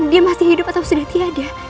dia masih hidup atau sudah tiada